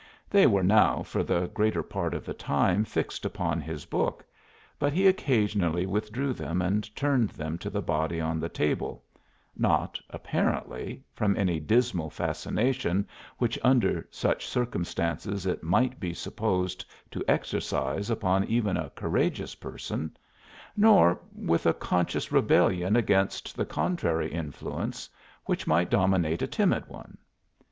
They were now for the greater part of the time fixed upon his book, but he occasionally withdrew them and turned them to the body on the table, not, apparently, from any dismal fascination which under such circumstances it might be supposed to exercise upon even a courageous person, nor with a conscious rebellion against the contrary influence which might dominate a timid one.